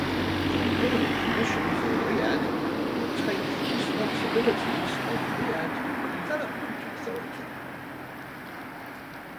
The Royal Commission for Riyadh will take the responsibilities of Riyadh Development Authority.